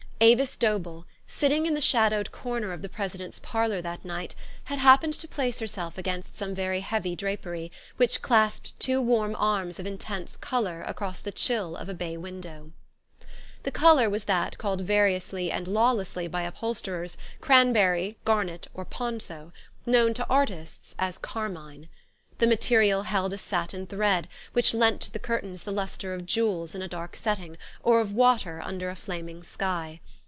Avis Dobell, sitting in the shadowed corner of the president's parlor that night, had happened to place herself against some very heavy drapery, which clasped two warm arms of intense color across the chill of a bay window. The color was that called variously and lawlessly by upholsterers cranberry, garnet, or ponso ; known to artists as carmine. The material held a satin thread, which lent to the cur tains the lustre of jewels in a dark setting, or of water under a flaming sky.